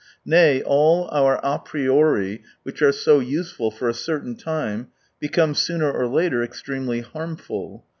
Nay, all our a 'priori^ which are so useful for a certain time, become sooner or later extremely harmful.